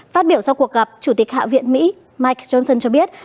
phát biểu sau cuộc gặp chủ tịch hạ viện mỹ mike johnson cho biết